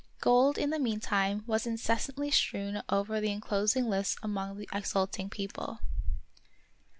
Gold, in the mean time, was incessantly strewn over the enclosing lists among the exult ing people.